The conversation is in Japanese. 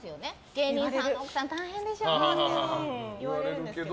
芸人さんの奥さん大変でしょっていうのは言われるんですけど。